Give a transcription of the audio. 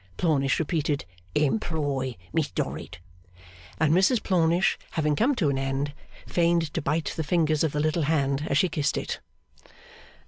Plornish repeated, employ Miss Dorrit; and Mrs Plornish having come to an end, feigned to bite the fingers of the little hand as she kissed it.